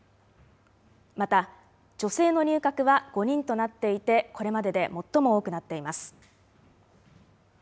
また女性の入閣は５人となっていてこれまでで最も多くなっています。